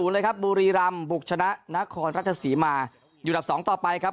เลยครับบุรีรำบุกชนะนครราชสีมาอยู่อันดับ๒ต่อไปครับ